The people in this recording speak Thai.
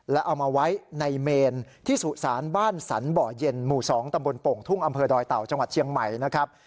แล้วเอามาไว้ในเมนที่สุสานบ้านสรรบ่อเย็นหมู่๒ตำบลโป่งทุ่งอำเภอดอยเต่าจังหวัดเชียงใหม่นะครับ